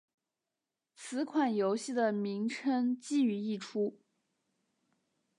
这款游戏的名称基于一出。